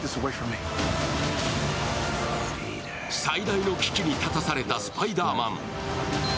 最大の危機に立たされたスパイダーマン。